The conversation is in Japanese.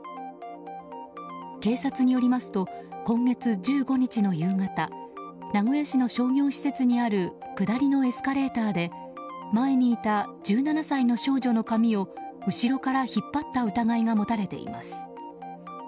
警察によりますと今月１５日の夕方名古屋市の商業施設にある下りのエスカレーターで前にいた１７歳の少女の髪を後ろから引っ張った疑いが持たれています。